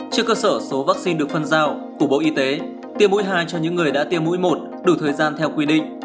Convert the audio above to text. trên cơ sở số vaccine được phân giao của bộ y tế tiêm mũi hai cho những người đã tiêm mũi một đủ thời gian theo quy định